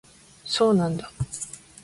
そうなんだ